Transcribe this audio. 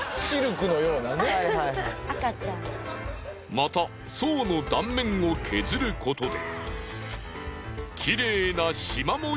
また層の断面を削ることで。